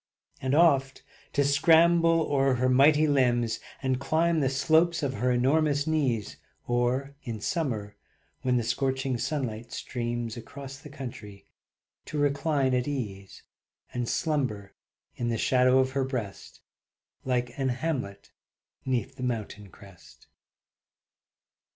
And oft to scramble o'er her mighty limbs, And climb the slopes of her enormous knees, Or in summer when the scorching sunlight streams Across the country, to recline at ease, And slumber in the shadow of her breast Like an hamlet 'neath the mountain crest.